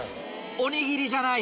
「おにぎり」じゃない。